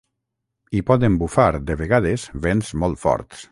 Hi poden bufar, de vegades, vents molt forts.